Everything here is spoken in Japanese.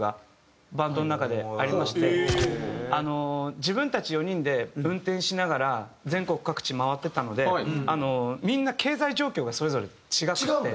自分たち４人で運転しながら全国各地回ってたのでみんな経済状況がそれぞれ違くて。